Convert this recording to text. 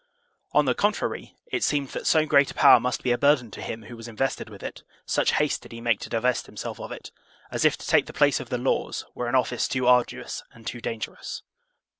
On the contrary, it seemed that so great a power must be a burden to him who was invested with it, such haste did he make to divest him self of it, as if to take the place of the laws were an office too arduous and too dangerous.